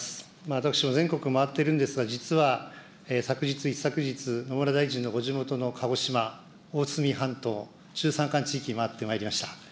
私も全国回ってるんですが、実は昨日、一昨日、野村大臣のご地元の鹿児島・大隅半島、中山間地域回ってまいりました。